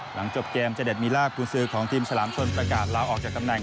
หลังจบเกมเจเด็ดมีลากกุญสือของทีมฉลามชนประกาศลาออกจากตำแหน